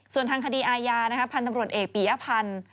ส่วนทางคดีอาญาพันธุ์ตำรวจเอกปียพันธ์